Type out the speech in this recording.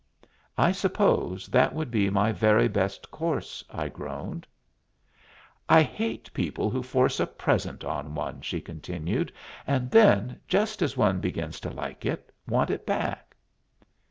"I suppose that would be my very best course," I groaned. "I hate people who force a present on one," she continued, "and then, just as one begins to like it, want it back."